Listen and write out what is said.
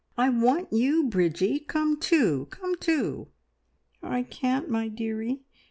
"I want you, Bridgie! Come too! Come too!" "I can't, my dearie.